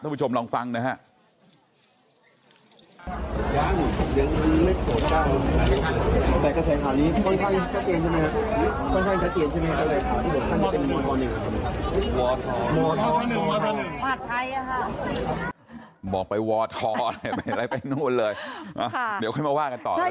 ผู้ชมลองฟังนะฮะ